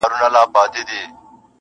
پۀ هغه کې یې یؤ بیت لیکلی و